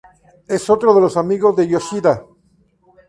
Es otro de los amigos de Yoshida.